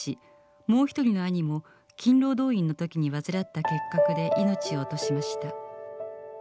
もう一人の兄も勤労動員の時に患った結核で命を落としました。